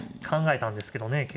考えたんですけどね